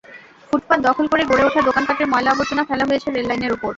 ফুটপাত দখল করে গড়ে ওঠা দোকানপাটের ময়লা-আবর্জনা ফেলা হয়েছে রেললাইনের ওপর।